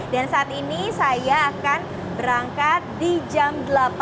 dan saat ini saya akan berangkat di jam delapan dua puluh dua